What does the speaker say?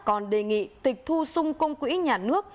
còn đề nghị tịch thu sung công quỹ nhà nước